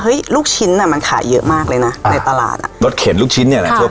ลูกชิ้นอ่ะมันขายเยอะมากเลยนะในตลาดอ่ะรสเข็นลูกชิ้นเนี่ยแหละทั่ว